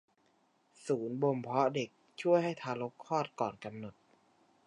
ศูนย์บ่มเพาะเด็กช่วยให้ทารกคลอดก่อนกำหนด